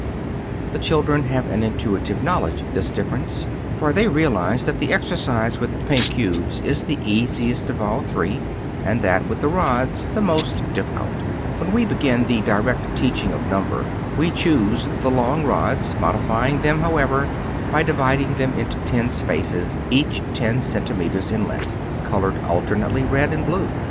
] The children have an intuitive knowledge of this difference, for they realize that the exercise with the pink cubes is the easiest of all three and that with the rods the most difficult. When we begin the direct teaching of number, we choose the long rods, modifying them, however, by dividing them into ten spaces, each ten centimeters in length, colored alternately red and blue.